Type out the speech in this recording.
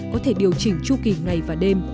có thể điều chỉnh chu kỳ ngày và đêm